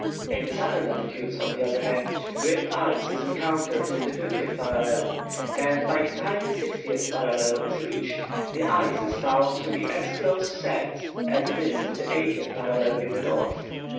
In the southern latitudes, on the other hand, drift ice is encountered in the 50th parallel, and by the time the 60th parallel is reached, the ice is found to be as close set as it is in the 80th parallel in the north.